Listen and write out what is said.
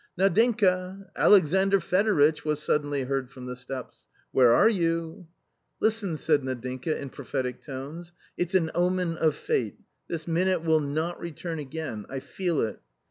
"Nadinka! Alexandr Fedoritch!" was suddenly heard from the steps, " where are you ?" "Listen!" said Nadinka in prophetic tones, "it's an omen of fate; this minute will not return again — I feel it."